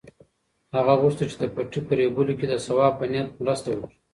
هغه غوښتل چې د پټي په رېبلو کې د ثواب په نیت مرسته وکړي.